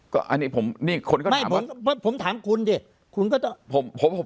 ก็อันนี้ผมนี่คนก็ไม่ผมผมถามคุณดิคุณก็จะผมผม